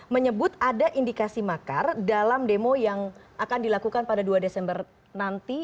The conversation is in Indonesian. menyebut ada indikasi makar dalam demo yang akan dilakukan pada dua desember nanti